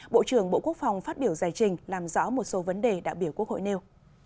bộ trưởng bộ quốc phòng phát biểu giải trình làm rõ một số vấn đề đại biểu quốc hội nêu